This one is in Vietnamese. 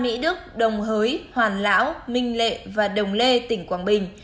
mỹ đức đồng hới hoàn lão minh lệ và đồng lê tỉnh quảng bình